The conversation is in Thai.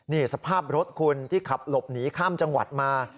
นี่สภาพรถคุณที่ขับหลบหนีข้ามจังหวัดมา